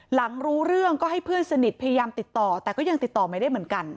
หลังรู้เรื่องก็ให้เพื่อนสนิทพยายามติดต่อแต่ก็ยังติดต่อไม่ได้เหมือนกัน